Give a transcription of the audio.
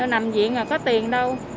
nằm viện mà có tiền đâu